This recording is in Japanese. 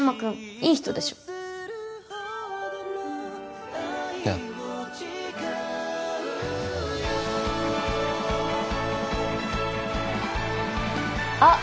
いい人でしょあああっ